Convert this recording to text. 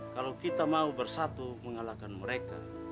kalau kita mau bersatu mengalahkan mereka